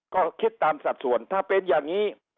ก็คิดตามสัดส่วนถ้าเป็นอย่างนี้